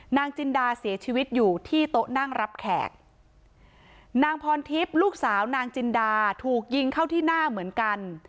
นางจินดาเสียชีวิตอยู่ที่โต๊ะนั่งรับแขกนางพรทิพย์ลูกสาวนางจินดาถูกยิงเข้าที่หน้าเหมือนกัน